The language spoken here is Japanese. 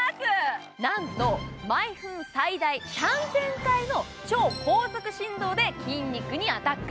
なんと毎分最大３０００回の超高速振動で筋肉にアタック。